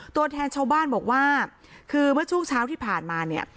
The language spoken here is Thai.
ตัวแทนชาวบ้านบอกว่าคือเมื่อช่วงเช้าที่ผ่านมาเนี่ย